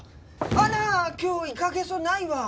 あら今日イカゲソないわ。